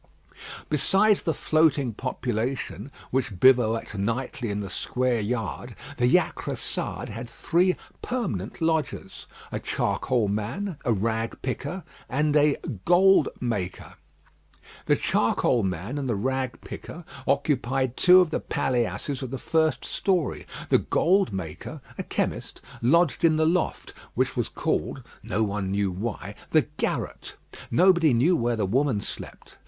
Besides the floating population which bivouacked nightly in the square yard, the Jacressade had three permanent lodgers a charcoal man, a rag picker, and a "gold maker." The charcoal man and the rag picker occupied two of the paillasses of the first story; the "gold maker," a chemist, lodged in the loft, which was called, no one knew why, the garret. Nobody knew where the woman slept.